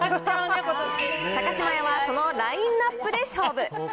高島屋はそのラインナップで勝負。